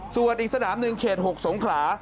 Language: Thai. ส่วนอีกสนามหนึ่งเขต๖สงขลา